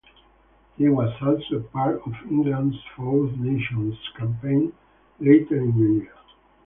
He was also a part of England's Four Nations campaign later in the year.